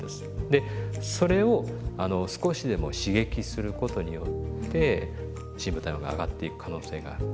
でそれを少しでも刺激することによって深部体温が上がっていく可能性がある。